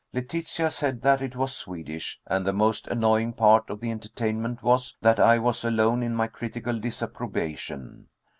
Letitia said that it was Swedish, and the most annoying part of the entertainment was that I was alone in my critical disapprobation.